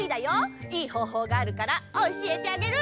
いいほうほうがあるからおしえてあげる！